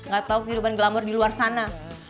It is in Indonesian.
gak tahu kehidupan glamor di luar sana